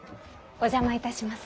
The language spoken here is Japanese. お邪魔いたします。